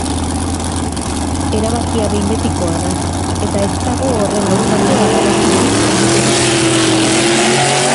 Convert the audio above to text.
Erabakia behin betikoa da, eta ez dago horren aurkako apelaziorik egiterik.